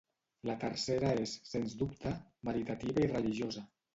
La tercera és, sens dubte, meditativa i religiosa.